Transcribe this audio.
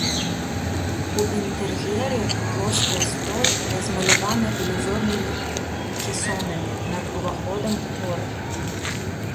У інтэр'еры плоская столь размалявана ілюзорнымі кесонамі, над уваходам хоры.